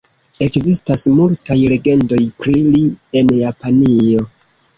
Ekzistas multaj legendoj pri li en Japanio.